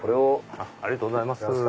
ありがとうございます。